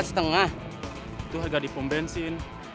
itu harga di pom bensin